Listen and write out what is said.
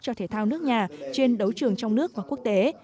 cho thể thao nước nhà trên đấu trường trong nước và quốc tế